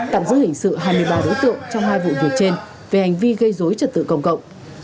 tạm giữ hình sự hai mươi ba đối tượng trong hai vụ việc trên về hành vi gây dối trật tự công cộng